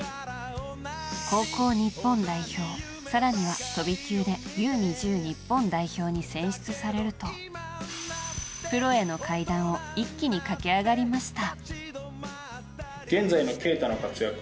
高校日本代表、更には飛び級でＵ‐２０日本代表に選出されると、プロへの階段を一気に駆け上がりました。